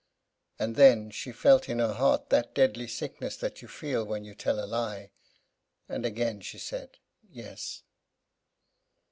And then she felt in her heart that deadly sickness that you feel when you tell a lie; and again she said, "Yes."